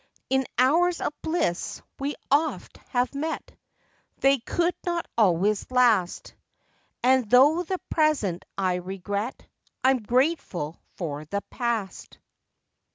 In hours of bliss we oft have met, They could not always last; And though the present I regret, I'm grateful for the past.